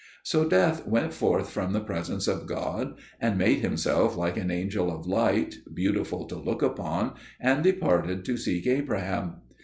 So Death went forth from the presence of God, and made himself like an angel of light, beautiful to look upon, and departed to seek Abraham.